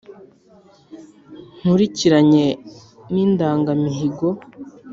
nkurikiranye n’indatamihigo